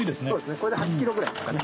・これで８ｋｇぐらいですかね・・